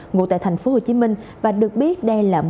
ngụ tại tp hcm và được biết đây là một